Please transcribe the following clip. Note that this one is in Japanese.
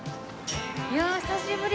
いや久しぶり。